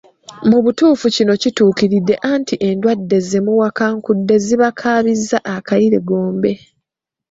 Mu butuufu kino kituukiridde anti endwadde zemuwakankudde zibakaabizza akayirigombe.